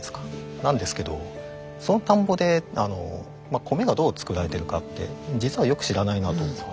なんですけどその田んぼで米がどう作られてるかって実はよく知らないなと思って。